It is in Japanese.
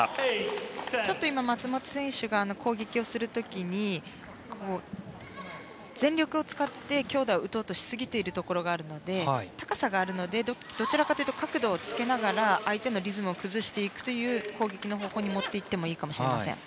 ちょっと今、松本選手が攻撃をする時に、全力を使って強打を打とうとしすぎているところがあるので高さがあるのでどちらかというと角度をつけながら相手のリズムを崩していくという攻撃の方向に持って行ってもいいかもしれません。